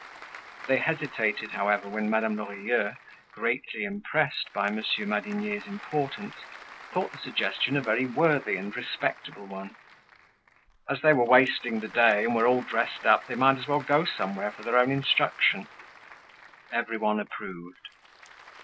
They hesitated, however, when Madame Lorilleux, greatly impressed by Monsieur Madinier's importance, thought the suggestion a very worthy and respectable one. As they were wasting the day, and were all dressed up, they might as well go somewhere for their own instruction. Everyone approved.